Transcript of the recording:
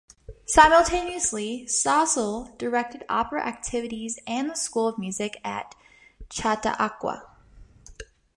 Simultaneously, Stossel directed opera activities and the school of music at Chautauqua.